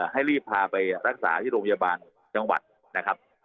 ให้รีบพาไปรักษาที่โรงพยาบาลจังหวัดนะครับ